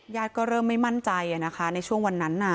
ก็เริ่มไม่มั่นใจในช่วงวันนั้น